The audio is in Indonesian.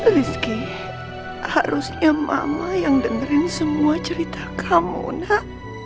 rizky harusnya mama yang dengerin semua cerita kamu nak